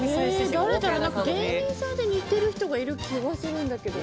芸人さんで似てる人がいると思う気がするんですけど。